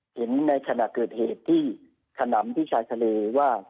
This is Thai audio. เห็นในขณะเกิดเหตุที่ขนำที่ชายทะเลว่า